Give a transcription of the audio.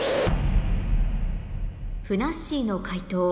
ふなっしーの解答